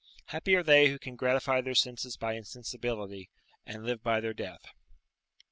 Happy are they who can gratify their senses by insensibility, and live by their death!"